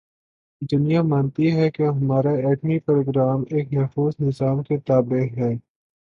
دنیا مانتی ہے کہ ہمارا ایٹمی پروگرام ایک محفوظ نظام کے تابع ہے۔